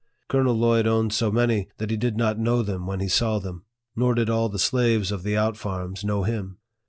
Colonel Lloyd owned so many that he did not know them when he saw them ; nor did all the slaves of the out farms know him..